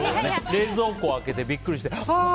冷蔵庫開けて、ビックリしてあー！